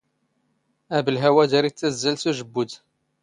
ⴰⴱⵍⵀⴰⵡ ⴰⴷ ⴰⵔ ⵉⵜⵜⴰⵣⵣⴰⵍ ⵙ ⵓⵊⴱⴱⵓⴷ.